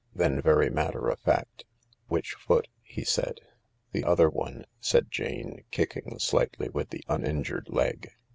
Then, very matter of fact, " Which foot ?" he said. "The other one," said Jane, kicking slightly with the uninjured leg.